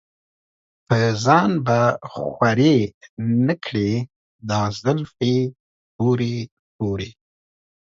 پۀ ځان به خوَرې نۀ کړې دا زلفې تورې تورې